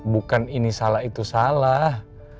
bukan ini salah itu salah